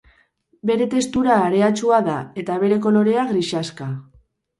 Bere testura hareatsua da eta bere kolorea grisaxka.